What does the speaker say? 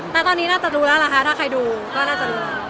แต่ตอนนี้น่าจะรู้แล้วล่ะคะถ้าใครดูก็น่าจะรู้